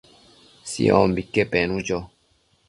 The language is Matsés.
Siombique penu cho